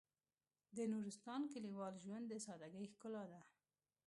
د نورستان کلیوال ژوند د سادهګۍ ښکلا ده.